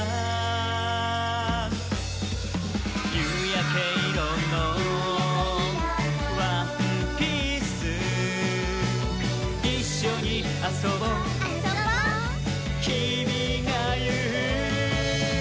「ゆうやけいろのワンピース」「いっしょにあそぼ」「あそぼ」「きみがいう」